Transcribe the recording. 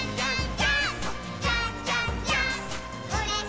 ジャンプ！！